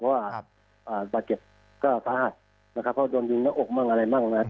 เพราะว่าบาดเจ็บก็พลาดนะครับเพราะว่าโดนยุ่งในอกมั่งอะไรบ้างนะครับ